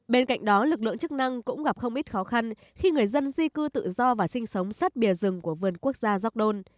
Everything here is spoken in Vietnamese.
bên cạnh đó lực lượng chức năng cũng gặp không ít khó khăn khi người dân di cư tự do và sinh sống sát bìa rừng của vườn quốc gia gióc đôn